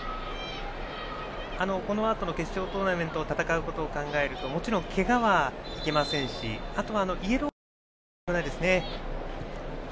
このあとの決勝トーナメントを戦うことを考えるともちろん、けがはいけませんしあとはイエローカードももらいたくないですね。